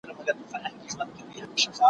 په ځنگله کي چي دي هره ورځ غړومبی سي